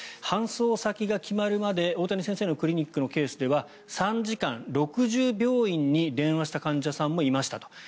搬送先が決まるまで大谷先生のクリニックのケースでは３時間、６０病院に電話した患者さんもいましたと。